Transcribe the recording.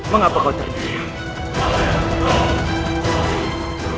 mengapa kau terhitung